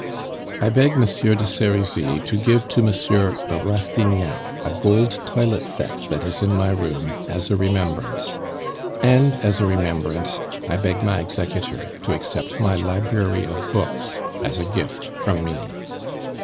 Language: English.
"I beg Monsieur de Serizy to give to Monsieur de Rastignac a gold toilet set that is in my room as a remembrance. "And as a remembrance, I beg my executor to accept my library of books as a gift from me.